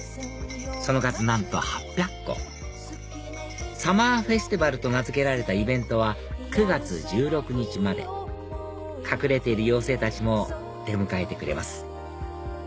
その数なんと８００個サマー・フェスティバルと名付けられたイベントは９月１６日まで隠れている妖精たちも出迎えてくれます